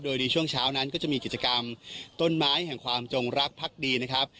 โดยในช่วงเช้านั้นก็จะมีกิจกรรมต้นไม้แห่งความจงรักพักดีนะครับ